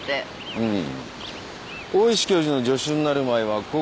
うん？